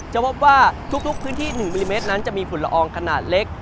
จะพบว่าทุกพื้นที่๑มิลลิเมตรนั้นจะมีฝุ่นละอองขนาดเล็ก